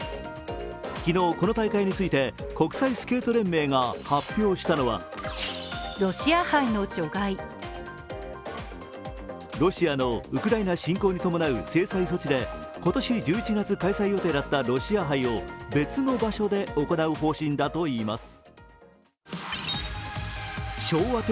昨日この大会について国際スケート連盟が発表したのはロシアのウクライナ侵攻に伴う制裁措置で今年１１月開催予定だったロシア杯を別の場所で行う方針だといいます。